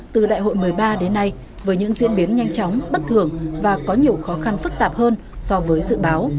từ đại hội một mươi ba đến nay với những diễn biến nhanh chóng bất thường và có nhiều khó khăn phức tạp hơn so với dự báo